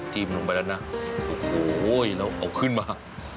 ลงไปแล้วนะโอ้โหแล้วเอาขึ้นมา